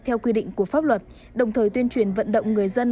theo quy định của pháp luật đồng thời tuyên truyền vận động người dân